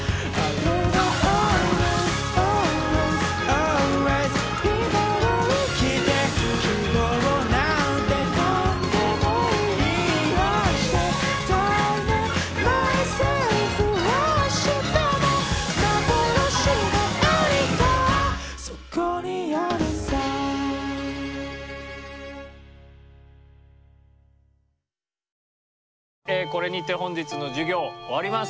ｉｍａｓｅでこれにて本日の授業終わります。